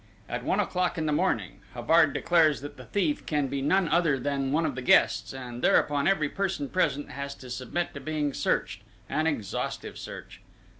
At one o'clock in the morning, Havard declares that the thief can be none other than one of the guests, and thereupon every person present has to submit to being searched an exhaustive search!